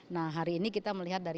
nah hari ini kita melihat dari